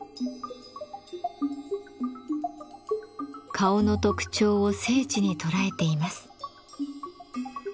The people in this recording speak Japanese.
顔の特徴を精緻に捉えています。